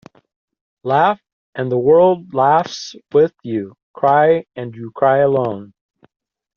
Laugh and the world laughs with you. Cry and you cry alone.